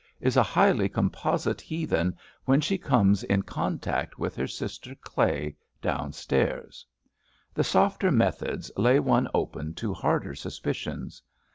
— is a highly composite heathen when she comes in contact with her sister day downstairs. The softer methods lay one open to harder suspicions.